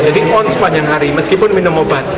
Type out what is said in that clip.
jadi on sepanjang hari meskipun minum obat